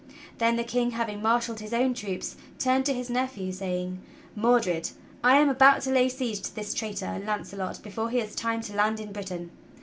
Then the King having marshalled his own troops turned to his nephew, saying: "jMordred, I am about to lay siege to this traitor Launcelot before he has time to land in Britain.